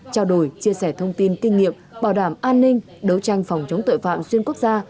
trao đổi chia sẻ thông tin kinh nghiệm bảo đảm an ninh đấu tranh phòng chống tội phạm xuyên quốc gia